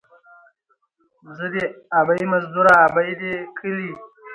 ـ زه دې ابۍ مزدوره ، ابۍ دې کلي.